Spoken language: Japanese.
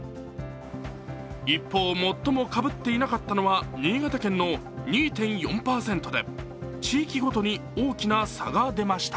一方、最もかぶっていなかったのは新潟県の２．４％で、地域ごとに大きな差が出ました。